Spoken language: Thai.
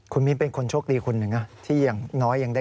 คุณมิ้นท์เป็นคนโชคดีคุณหนึ่งนะ